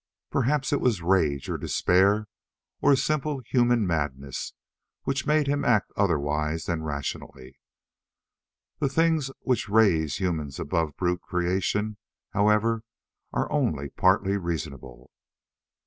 Perhaps it was rage, or despair, or a simple human madness which made him act otherwise than rationally. The things which raise humans above brute creation, however, are only partly reasonable.